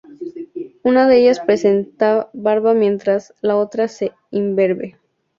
Una de ellas presenta barba mientras la otra es imberbe.